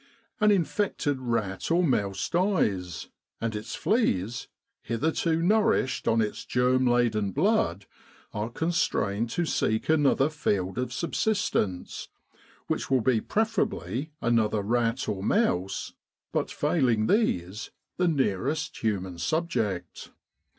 An infected rat or mouse dies, and its fleas, hitherto nourished on its germ laden blood, are constrained to seek another field of subsistence, which will be preferably another rat or mouse, but failing these, the nearest human subject.